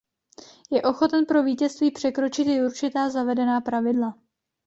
Je ochoten pro vítězství překročit i určitá zavedená pravidla.